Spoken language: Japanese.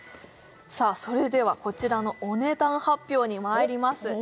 それではこちらのお値段発表にまいります